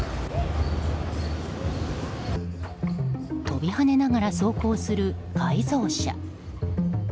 飛び跳ねながら走行する改造車。